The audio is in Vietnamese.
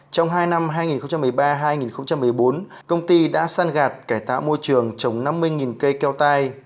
trong hai năm hai nghìn một mươi ba hai nghìn một mươi bốn công ty đã săn gạt cải tạo môi trường trồng năm mươi cây keo tai